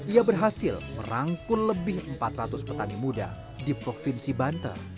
ia berhasil merangkul lebih empat ratus petani muda di provinsi banten